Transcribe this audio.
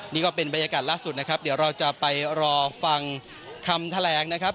นี่ก็เป็นบรรยากาศล่าสุดนะครับเดี๋ยวเราจะไปรอฟังคำแถลงนะครับ